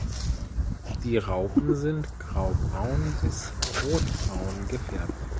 Die Raupen sind graubraun bis rotbraun gefärbt.